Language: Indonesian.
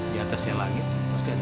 di atasnya langit pasti ada